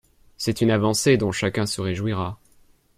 C’est une avancée dont chacun se réjouira.